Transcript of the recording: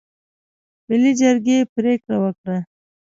ملي جرګې پرېکړه وکړه.